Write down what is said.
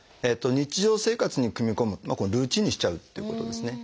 日常生活に組み込むルーチンにしちゃうってことですね。